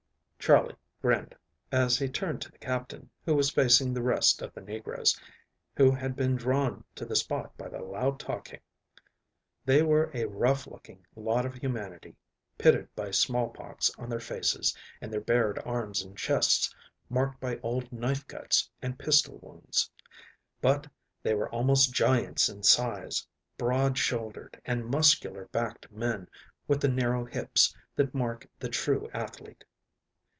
Charley grinned, as he turned to the Captain, who was facing the rest of the negroes, who had been drawn to the spot by the loud talking. They were a rough looking lot of humanity, pitted by smallpox on their faces, and their bared arms and chests marked by old knife cuts and pistol wounds. But they were almost giants in size, broad shouldered, and muscular backed men with the narrow hips that mark the true athlete.